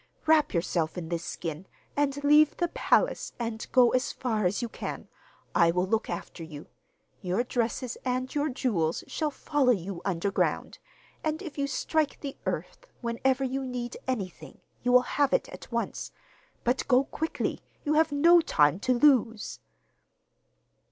Wrap yourself in this skin, and leave the palace and go as far as you can. I will look after you. Your dresses and your jewels shall follow you underground, and if you strike the earth whenever you need anything, you will have it at once. But go quickly: you have no time to lose.